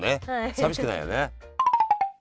寂しくないよね。